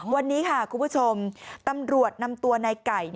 วันนี้ค่ะคุณผู้ชมตำรวจนำตัวในไก่